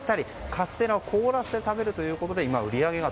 カステラを凍らせて食べるということで今、売り上げが